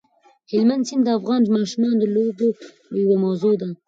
هلمند سیند د افغان ماشومانو د لوبو یوه موضوع ده.